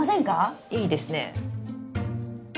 いいですね。